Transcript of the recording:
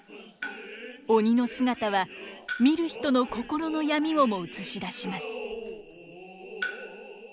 鬼の姿は見る人の心の闇をも映し出します。